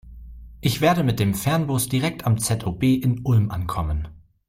Ich werde mit dem Fernbus direkt am ZOB in Ulm ankommen.